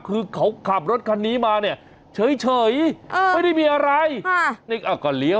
คือเขากำคับรถคันนี้มาเนี่ยเฉย